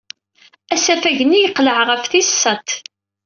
Asafag-nni yeqleɛ ɣef tis sat.